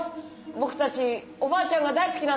ぼくたちおばあちゃんが大すきなんです！